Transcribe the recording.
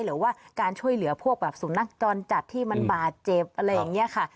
หรือว่าการช่วยเหลือพวกแบบสุนัขจรจัดที่มันบาดเจ็บอะไรอย่างนี้ค่ะ